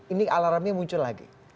ini alarmnya muncul lagi